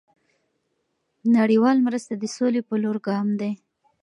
دเงินบาทไทย نړیوال مرسته د سولې په لور ګام دی.